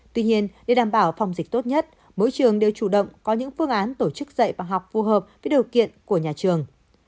tuy nhiên để đảm bảo phòng dịch tốt nhất mỗi trường đều chủ động có những phương án tổ chức dạy và học phù hợp với điều kiện của nhà trường